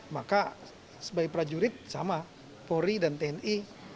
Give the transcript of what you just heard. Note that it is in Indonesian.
maka sebagai prajurit sama polri dan tni